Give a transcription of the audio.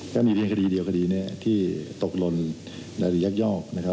ก็มีเพียงคดีเดียวกับคดีนี้ที่ตกลนหรือยักยอก